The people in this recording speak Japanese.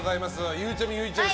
ゆうちゃみ、ゆいちゃみ